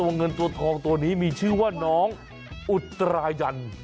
เงินตัวทองตัวนี้มีชื่อว่าน้องอุตรายัน